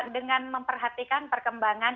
dengan memperhatikan perkembangan